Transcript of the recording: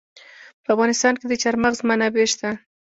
په افغانستان کې د چار مغز منابع شته.